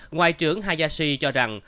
ngoại trưởng hayashi cho rằng